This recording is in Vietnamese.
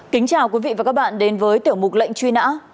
kính chào quý vị và các bạn đến với tiểu mục lệnh truy nã